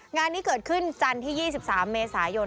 งานนี้เกิดขึ้นจันทร์ที่๒๓เมษายน